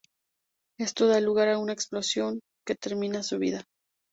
Esto da lugar a una explosión que termina su vida.